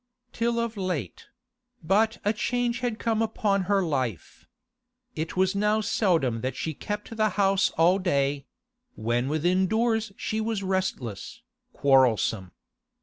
Till of late; but a change had come upon her life. It was now seldom that she kept the house all day; when within doors she was restless, quarrelsome.